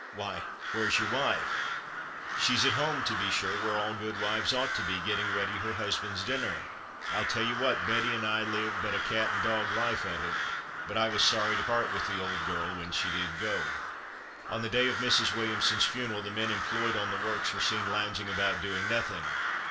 'Why, where's your wife?' 'She's at home, to be sure, where all good wives ought to be getting ready her husband's dinner.' I'll tell you what, Betty and I lived but a cat and dog life of it, but I was sorry to part with the old girl when she did go." On the day of Mrs. Williamson's funeral, the men employed on the works were seen lounging about doing nothing.